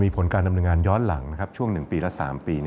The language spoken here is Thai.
ผลการดำเนินงานย้อนหลังช่วง๑ปีและ๓ปี